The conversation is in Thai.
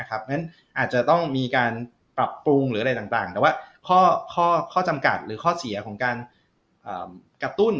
เพราะฉะนั้นอาจจะต้องมีการปรับปรุงหรืออะไรต่างแต่ว่าข้อจำกัดหรือข้อเสียของการกระตุ้น